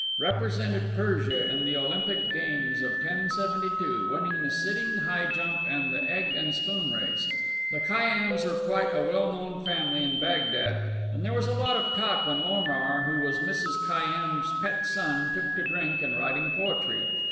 Represented Persia in the Olympic Games of 1072, winning the sitting high jump and the egg and spoon race. The Khayyáms were quite a well known family in Bagdad, and there was a lot of talk when Omar, who was Mrs. Khayyam's pet son, took to drink and writing poetry.